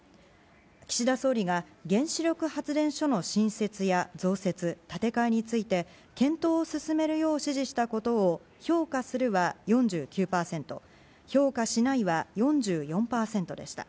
岸田総理が、原子力発電所の新設や増設、建て替えについて、検討を進めるよう指示したことを評価するは４９％、評価しないは４４％でした。